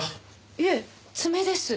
いえ爪です。